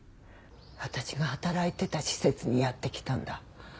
私が働いてた施設にやって来たんだ。